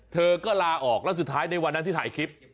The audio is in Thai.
เธอก็ลาออกแล้วสุดท้ายในวันนั้นที่ถ่ายคลิป